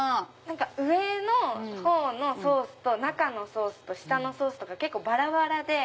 上のソースと中のソースと下のソースとか結構バラバラで。